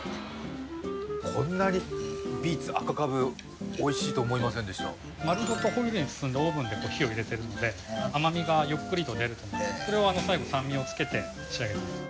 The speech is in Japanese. こんなにビーツ赤カブおいしいと思いませんでした丸ごとホイルに包んでオーブンで火を入れてるので甘みがゆっくりと出るとそれを最後酸味をつけて仕上げてます